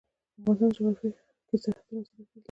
د افغانستان جغرافیه کې سرحدونه ستر اهمیت لري.